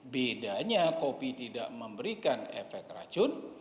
bedanya kopi tidak memberikan efek racun